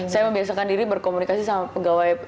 saya membiasakan diri berkomunikasi sama pegawai